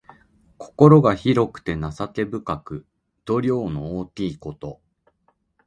心が広くて情け深く、度量の大きいこと。